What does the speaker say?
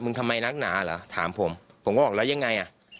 มึงทำไมนักหนาหรอถามผมผมมาแล้วยังไงอ่ะ